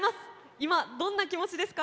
今どんな気持ちですか？